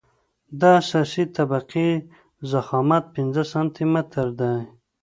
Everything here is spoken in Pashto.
د اساسي طبقې ضخامت پنځه سانتي متره دی